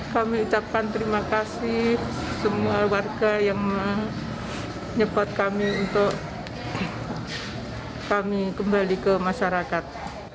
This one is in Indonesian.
kami ucapkan terima kasih semua warga yang menyebut kami untuk kami kembali ke masyarakat